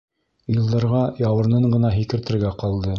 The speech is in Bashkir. Илдарға яурынын ғына һикертергә ҡалды.